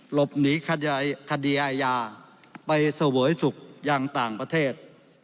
หลบหนีคดีอาญาไปเสวยสุขยังต่างประเทศ